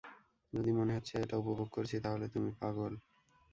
যদি মনে হচ্ছে এটা উপভোগ করছি, তাহলে তুমি পাগল!